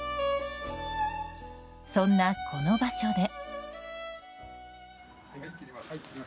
そんな、この場所で。